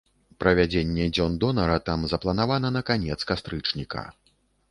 Правядзенне дзён донара там запланавана на канец кастрычніка.